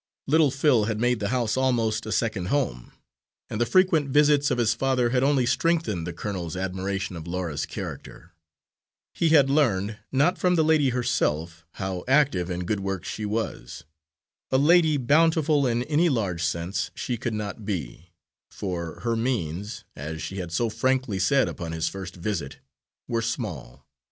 Little Phil had made the house almost a second home; and the frequent visits of his father had only strengthened the colonel's admiration of Laura's character. He had learned, not from the lady herself, how active in good works she was. A Lady Bountiful in any large sense she could not be, for her means, as she had so frankly said upon his first visit, were small.